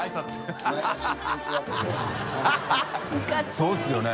そうですよね。